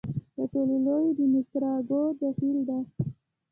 د ټولو لوی یې د نیکاراګو جهیل دی.